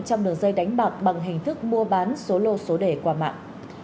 trong đường dây đánh bạc bằng hình thức mua bán số lô số đề qua mạng